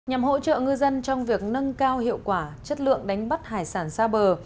nhằm hỗ trợ ngư dân trong việc nâng cao hiệu quả chất lượng đánh bắt hải sản xa bờ